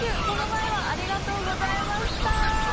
この前はありがとうございました。